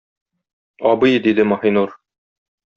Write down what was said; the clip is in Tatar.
Абый! - диде Маһинур.